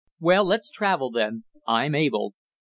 "Well, let's travel then. I'm able."